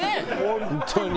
本当に。